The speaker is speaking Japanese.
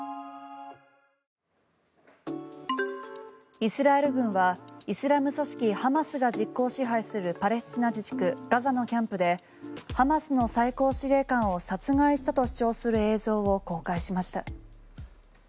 イスラエル軍はイスラム組織ハマスが実効支配するパレスチナ自治区ガザのキャンプで、ハマスの最高司令官を殺害したと主張する映像を公開しました。